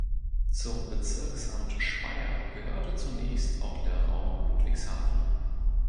Zum Bezirksamt Speyer gehörte zunächst auch der Raum Ludwigshafen.